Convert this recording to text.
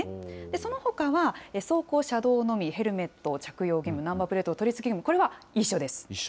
そのほかは、走行車道のみ、ヘルメット着用義務、ナンバープレート取り付け義務、これは一緒です。